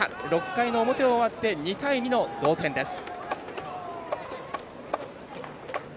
６回の表を終わって２対２の同点です。